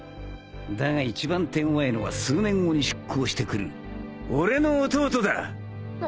だが一番手ごわいのは数年後に出航してくる俺の弟だ！